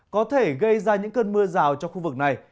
có thể gây ra những cơn mưa rào cho khu vực này